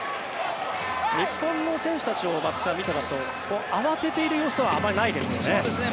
日本の選手たちを松木さん、見ていますと慌てている様子はあまりないですよね。